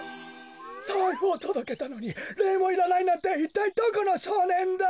さいふをとどけたのにれいもいらないなんていったいどこのしょうねんだ？